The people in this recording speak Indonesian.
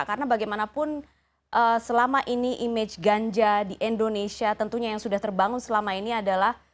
karena bagaimanapun selama ini image ganja di indonesia tentunya yang sudah terbangun selama ini adalah